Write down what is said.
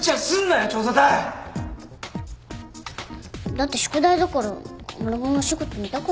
だって宿題だからマルモのお仕事見たかったんだもん。